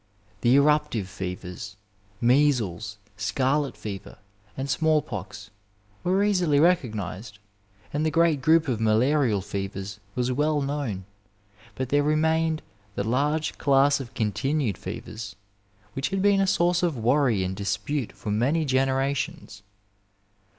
The eruptive fevers, meaeles, scarlet fever, and small pox were easily recognized, and the great group of malarial fevers was well known ; but there remained the large class of continued fevers, which had been a sonrce of worry and dispute for many generations.